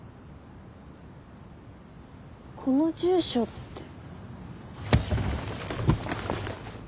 この住所って。